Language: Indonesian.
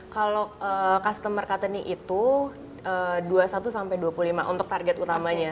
kalau customer cuttening itu dua puluh satu sampai dua puluh lima untuk target utamanya